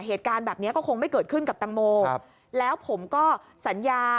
เหตุการณ์แบบนี้ก็คงไม่เกิดขึ้นกับตังโมแล้วผมก็สัญญา